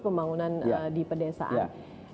pembangunan di perdesaan